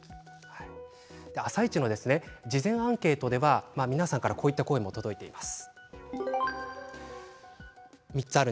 「あさイチ」の事前アンケートでは皆さんから、こういった声が届いています。